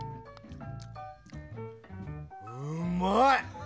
うんまい！